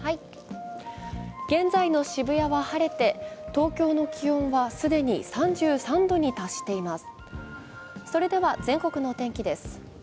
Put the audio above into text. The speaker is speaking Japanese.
現在の渋谷は晴れて、東京の気温は既に３３度に達しています。